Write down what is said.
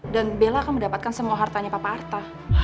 dan bella akan mendapatkan semua hartanya papa arta